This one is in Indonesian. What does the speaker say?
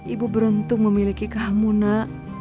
ibu beruntung memiliki kamu nak